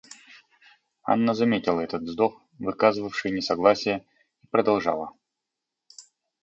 Анна заметила этот вздох, выказывавший несогласие, и продолжала.